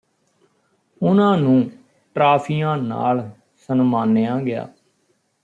ਉਨ੍ਹਾਂ ਨੂੰ ਟਰਾਫੀਆਂ ਨਾਲ ਸਨਮਾਨਿਆ ਗਿਆ